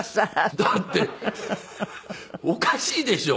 だっておかしいでしょ。